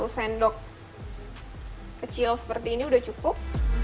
satu sendok kecil seperti ini udah cukup